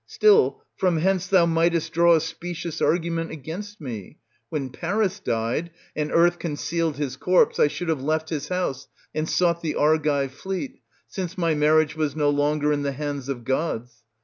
Still, from hence thou mightest draw a specious argument against me ; when Paris died, and Earth concealed his corpse, I should have left his house and sought the Argive fleet, since my marriage was no longer in the hands of gods.